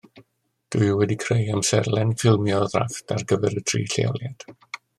Dwi wedi creu amserlen ffilmio ddrafft ar gyfer y tri lleoliad